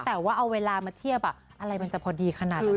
แต่ว่าเอาเวลามาเทียบอะไรมันจะพอดีขนาดนั้น